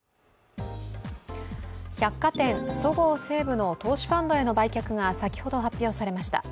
百貨店そごう・西武の投資ファンドへの売却が先ほど発表されました。